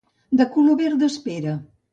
De color verd d'espera.